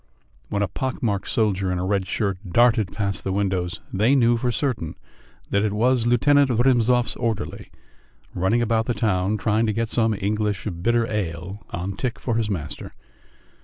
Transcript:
When a pock marked soldier in a red shirt darted past the windows, they knew for certain that it was Lieutenant Rymzov's orderly running about the town, trying to get some English bitter ale on tick for his master.